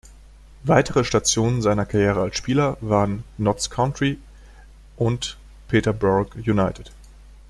Weitere Stationen seiner Karriere als Spieler waren Notts County und Peterborough United.